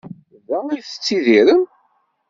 Da i tettidirem?